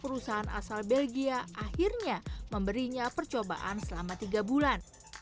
perusahaan asal belgia akhirnya memberinya percobaan selama tiga bulan